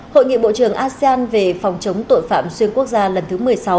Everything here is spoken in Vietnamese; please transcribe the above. hội nghị bộ trưởng asean về phòng chống tội phạm xuyên quốc gia lần thứ một mươi sáu